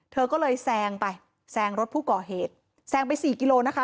เธอก็เลยแซงไปแซงรถผู้ก่อเหตุแซงไปสี่กิโลนะคะ